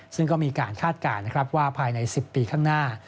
ซึ่งก็มีการคาดการณ์นะครับว่าภายใน๑๐ปีข้างหน้า